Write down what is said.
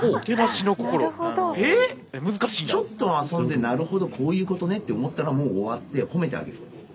ちょっと遊んで「なるほどこういうことね」って思ったらもう終わって褒めてあげる。